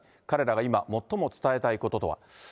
彼らが今、最も伝えたいこととは。